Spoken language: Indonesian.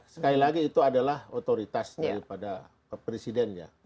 sekali lagi itu adalah otoritas daripada presiden ya